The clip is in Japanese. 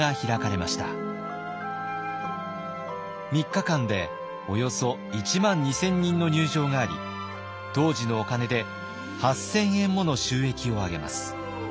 ３日間でおよそ１万２，０００人の入場があり当時のお金で８，０００円もの収益を上げます。